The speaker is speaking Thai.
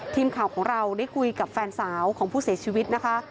ทีมข่าวของเราได้คุยกับแฟนสาวของผู้เสียชีวิตนะคะ